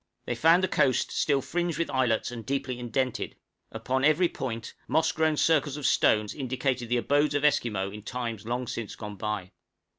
They found the coast still fringed with islets, and deeply indented; upon every point, moss grown circles of stones indicated the abodes of Esquimaux in times long since gone by.